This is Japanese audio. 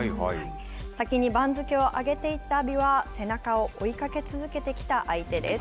先に番付を上げていた阿炎は背中を追いかけ続けてきた相手です。